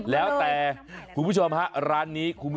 แล้วแต่คุณผู้ชมบ้านนี้